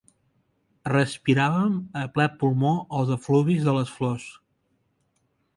Respiràvem a ple pulmó els efluvis de les flors.